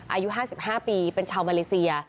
อายุ๕๕ปีเป็นชาวมาเลเซีย